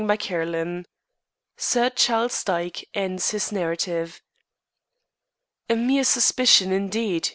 CHAPTER XXX SIR CHARLES DYKE ENDS HIS NARRATIVE "A mere suspicion, indeed!"